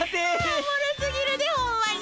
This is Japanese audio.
おもろすぎるでホンマに。